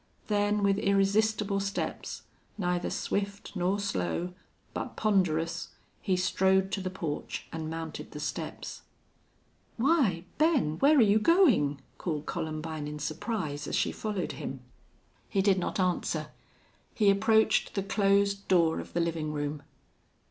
Then with irresistible steps, neither swift nor slow, but ponderous, he strode to the porch and mounted the steps. "Why, Ben, where are you going?" called Columbine, in surprise, as she followed him. He did not answer. He approached the closed door of the living room.